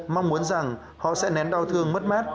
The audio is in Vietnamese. mong muốn rằng họ sẽ nén đau thương mất mát